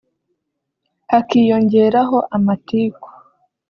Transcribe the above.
hakiyongeraho amatiku